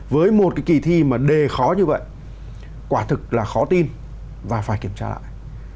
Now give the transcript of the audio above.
với một cái kỳ thi mà đề khó như vậy quả thực là khó tin và phải kiểm tra lại